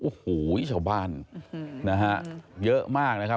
โอ้โหชาวบ้านนะฮะเยอะมากนะครับ